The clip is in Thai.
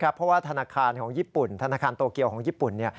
เพราะว่าธนาคารของญี่ปุ่นธนาคารโตเกียวของญี่ปุ่น